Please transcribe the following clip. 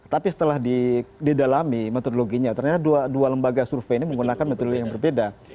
tapi setelah didalami metodologinya ternyata dua lembaga survei ini menggunakan metodologi yang berbeda